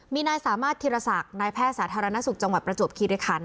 มีนายสามารถธิรศักดิ์นายแพทย์สาธารณสุขจังหวัดประจวบคิริคัน